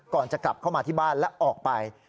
ก่อนจะกลับเข้ามาที่บ้านและออกไป